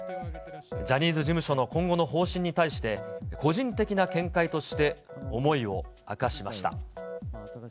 ジャニーズ事務所の今後の方針に対して、個人的な見解として思いを明かしました。